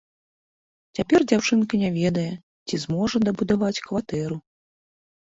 Цяпер дзяўчына не ведае, ці зможа дабудаваць кватэру.